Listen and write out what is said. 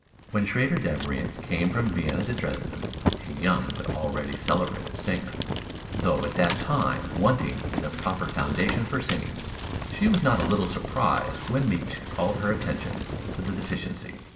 When Schröder Devrient came from Vienna to Dresden, a young but already celebrated singer, though at that time wanting in the proper foundation for singing, she was not a little surprised when Miksch called her attention to this deficiency.